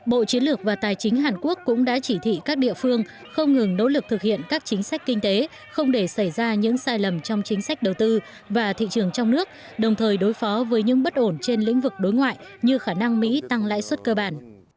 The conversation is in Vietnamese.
bộ chiến lược và tài chính hàn quốc cũng đã chỉ thị các địa phương không ngừng nỗ lực thực hiện các chính sách kinh tế không để xảy ra những sai lầm trong chính sách đầu tư và thị trường trong nước đồng thời đối phó với những bất ổn trên lĩnh vực đối ngoại như khả năng mỹ tăng lãi suất cơ bản